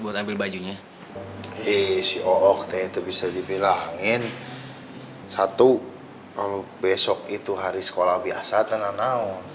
buat ambil bajunya isi oktet itu bisa dibilangin satu kalau besok itu hari sekolah biasa tenang naon